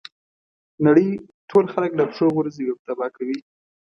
نړۍ ټول خلک له پښو غورځوي او تباه کوي.